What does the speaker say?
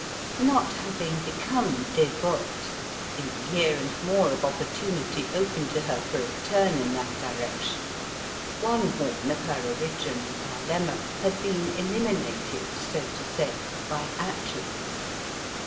Not having become dévote in the year and more of opportunity open to her for a turn in that direction one horn of her original dilemma had been eliminated, so to say, by atrophy.